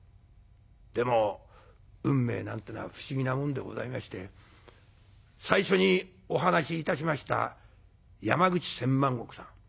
でも運命なんてのは不思議なもんでございまして最初にお話しいたしました山口千万石さん。